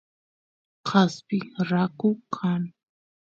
kaspi raku kan